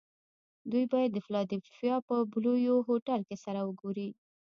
دوی باید د فلادلفیا په بلوویو هوټل کې سره و ګوري